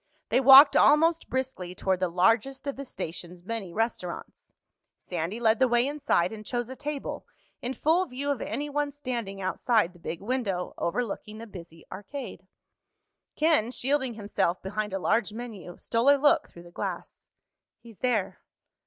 They walked almost briskly toward the largest of the station's many restaurants. Sandy led the way inside and chose a table in full view of anyone standing outside the big window overlooking the busy arcade. Ken, shielding himself behind a large menu, stole a look through the glass. "He's there."